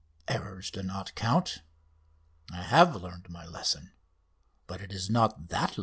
Errors do not count. I have learned my lesson, but it is not that lesson."